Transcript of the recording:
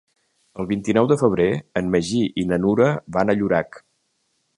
El vint-i-nou de febrer en Magí i na Nura van a Llorac.